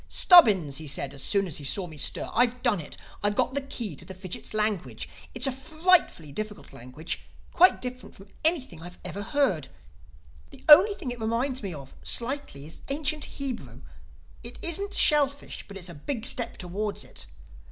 "Stubbins," he said as soon as he saw me stir, "I've done it. I've got the key to the fidgit's language. It's a frightfully difficult language—quite different from anything I ever heard. The only thing it reminds me of—slightly—is ancient Hebrew. It isn't shellfish; but it's a big step towards it.